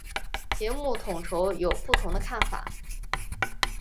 节目统筹有不同的看法。